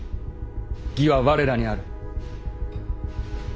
義は我らにある。